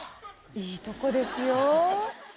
いいとこですよ。